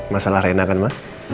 masalah rena kan ma